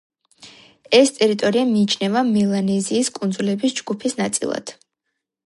ეს ტერიტორია მიიჩნევა მელანეზიის კუნძულების ჯგუფის ნაწილად.